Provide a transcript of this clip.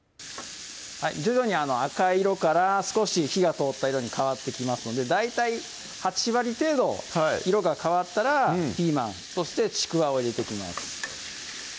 徐々に赤色から少し火が通った色に変わってきますので大体８割程度色が変わったらピーマンそしてちくわを入れていきます